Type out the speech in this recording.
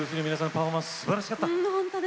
パフォーマンスすばらしかった。